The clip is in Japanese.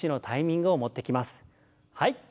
はい。